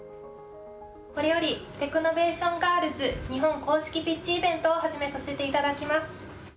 これよりテクノベーションガールズ日本公式ピッチイベントを始めさせていただきます。